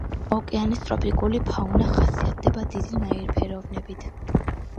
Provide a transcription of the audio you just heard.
ოკეანის ტროპიკული ფაუნა ხასიათდება დიდი ნაირფეროვნებით.